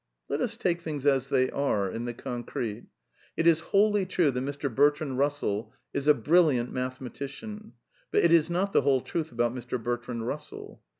Let us take things as they are, in the concrete. It is' wholly true that Mr. Bertrand Bussell is a brilliant mathe matician, but it is not the whole truth about Mr. Bertrand Bussell.